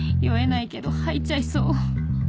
酔えないけど吐いちゃいそう